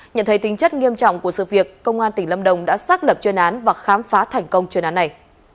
nhận thấy tính chất nghiêm trọng của sự việc công an tỉnh lâm đồng đã xác lập chuyên án và khám phá thành công chuyên án này